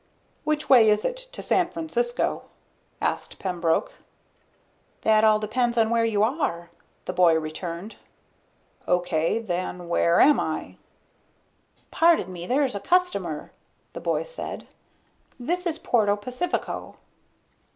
"Which way is it to San Francisco?" asked Pembroke. "That all depends on where you are," the boy returned. "Okay, then where am I?" "Pardon me, there's a customer," the boy said. "This is Puerto Pacifico."